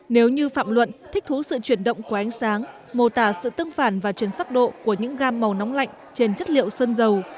nếu như phạm luận thích thú sự chuyển động của ánh sáng mô tả sự tương phản và truyền sắc độ của những gam màu nóng lạnh trên chất liệu sơn dầu